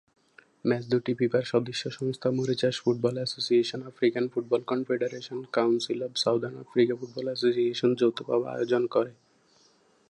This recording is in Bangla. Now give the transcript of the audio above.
ম্যাচ দুটি ফিফার সদস্য সংস্থা Mauritius football association, African football confederation, council of southern Africa football association যৌথভাবে আয়োজন করে।